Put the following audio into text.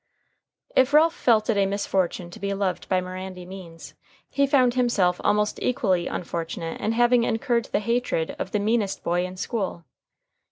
If Ralph felt it a misfortune to be loved by Mirandy Means, he found himself almost equally unfortunate in having incurred the hatred of the meanest boy in school.